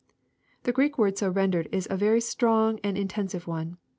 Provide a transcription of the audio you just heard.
] The Grreek word so rendered is a very strong and intensive one.